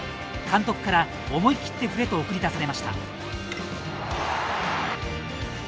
監督から、思い切って振れと送り出されました。